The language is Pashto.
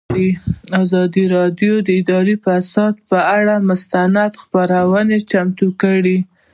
ازادي راډیو د اداري فساد پر اړه مستند خپرونه چمتو کړې.